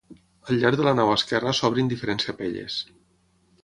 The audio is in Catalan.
Al llarg de la nau esquerra s'obren diferents capelles.